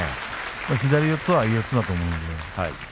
左四つは相四つだと思います。